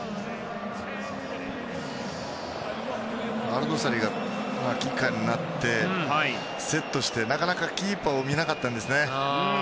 アルドサリがキッカーになってセットして、なかなかキーパーを見なかったんですよね。